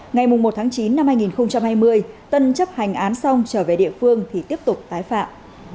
ngày một tháng chín năm hai nghìn hai mươi tân chấp hành án xong trở về địa phương thì tiếp tục tái phạm